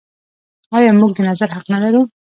آیا موږ د نظر حق نلرو؟